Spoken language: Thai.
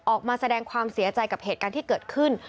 ออกมาแสดงความเสียใจกับเหตุการณ์ที่เกิดขึ้น